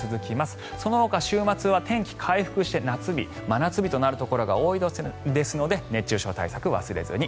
そのほか週末は天気回復して夏日、真夏日となるところが多いですので熱中症対策を忘れずに。